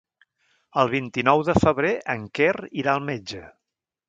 El vint-i-nou de febrer en Quer irà al metge.